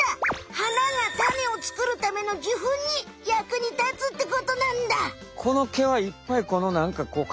花が種を作るための受粉に役に立つってことなんだ！